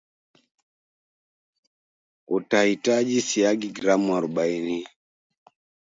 utahitaji siagi gram arobaini